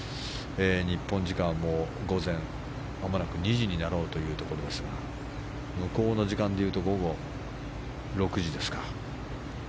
日本時間はまもなく午前２時になろうというところですが向こうの時間でいうと午後６時ですか。